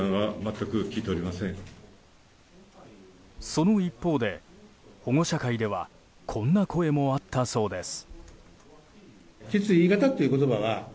その一方で保護者会ではこんな声もあったそうです。